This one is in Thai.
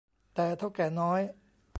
แต่ เถ้าแก่น้อย